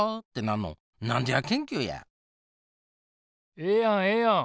ええやんええやん。